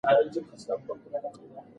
رڼا ډېره زیاته وه.